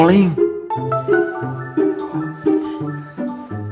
tidak ada yang bisa dipercayai